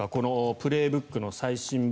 「プレーブック」の最新版。